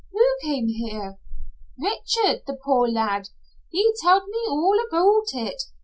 "Who came here?" "Richard the poor lad! He tell't me all aboot it.